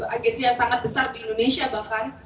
agensi yang sangat besar di indonesia bahkan